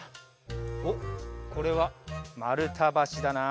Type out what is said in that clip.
おっこれはまるたばしだな。